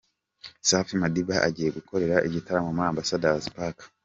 Safi Madiba agiye gukorera igitaramo muri Ambassador's Park.